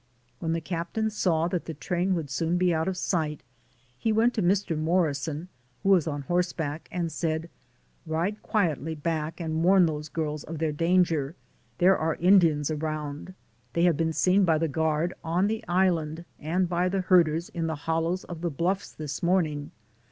When the captain saw that the train would soon be out of our sight, he went to Mr. Morrison, who was on horseback, and said, "Rid? quietly back and warn those girls of 90 DAYS ON THE ROAD. their danger, there are Indians around. They have been seen by the guard, on the island, and by the herders, in the hollows of the bluffs this morning.